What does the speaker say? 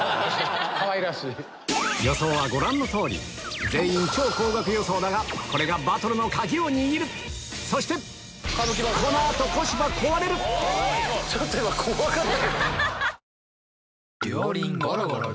予想はご覧の通り全員超高額予想だがこれがバトルの鍵を握るそしてこの後ちょっと今怖かった。